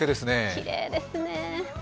きれいですね。